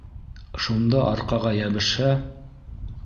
Шунда арҡаға йәбешһә...